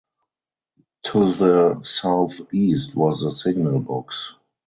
To the southeast was the signal box.